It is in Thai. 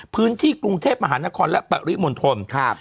พื้นที่กรุงเทพมหานครและปริมณฑล